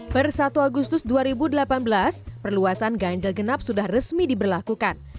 per satu agustus dua ribu delapan belas perluasan ganjil genap sudah resmi diberlakukan